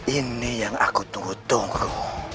ini yang aku tunggu tunggu